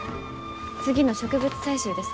次の植物採集ですか？